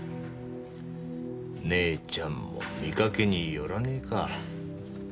ねえちゃんも見かけによらねえか。